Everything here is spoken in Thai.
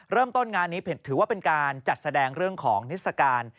เริ่มต้นงานนี้ถือว่าเป็นการจัดแสดงเรื่องของนิสการ